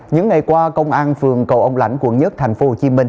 những ngày qua công an phường cầu ông lãnh quận một tp hcm